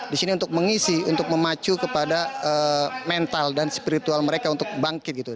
di sini untuk mengisi untuk memacu kepada mental dan spiritual mereka untuk bangkit gitu